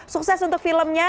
sukses untuk filmnya